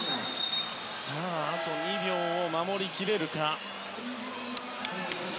あと２秒を守り切れるか。